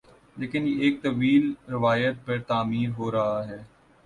لیکن یہ ایک طویل روایت پر تعمیر ہو رہا ہے